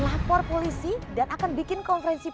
lapor polisi dan akan bikin konferensi